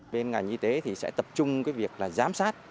bên ngành y tế thì sẽ tập trung cái việc là giám sát